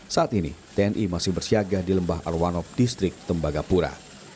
saat ini tni masih bersiaga di lembah arwanop distrik tembagapura